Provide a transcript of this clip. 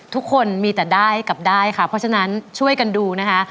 ทุกคนมีแต่ได้กับได้ค่ะเพราะฉะนั้นช่วยกันดูนะคะ